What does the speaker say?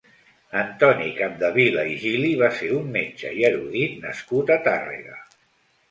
Antoni Capdevila i Gili va ser un metge i erudit nascut a Tàrrega.